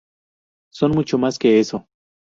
Son mucho más que eso.